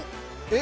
え？